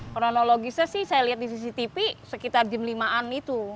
koronologisnya sih saya lihat di cctv sekitar jam lima an itu